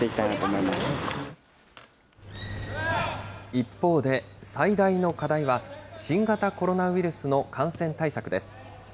一方で、最大の課題は、新型コロナウイルスの感染対策です。